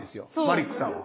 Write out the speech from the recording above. マリックさんは。